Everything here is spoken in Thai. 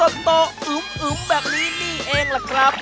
โตอึมแบบนี้นี่เองล่ะครับ